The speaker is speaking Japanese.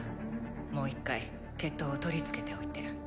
もう一回決闘を取り付けておいて。